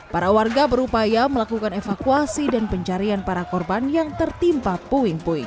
para warga berupaya melakukan evakuasi dan pencarian para korban yang tertimpa puing puing